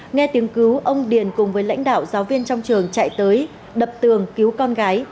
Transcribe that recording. nghe tiếng cứu ông điền cùng với lãnh đạo giáo viên trong trường chạy tới đập tường cứu con gái